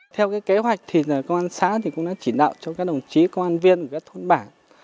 theo kế hoạch công an xã cũng đã chỉ đạo cho các đồng chí công an viên của các thôn bảng